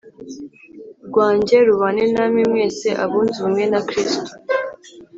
rwanjye rubane namwe mwese abunze ubumwe na Kristo